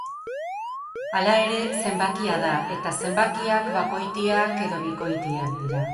Hala ere zenbakia da, eta zenbakiak bakoitiak edo bikoitiak dira.